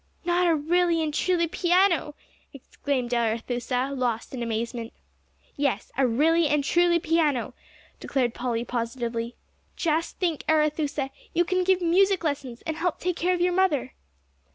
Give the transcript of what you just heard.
"Not a really and truly piano?" exclaimed Arethusa, lost in amazement. "Yes, a really and truly piano," declared Polly positively. "Just think, Arethusa, you can give music lessons and help to take care of your mother."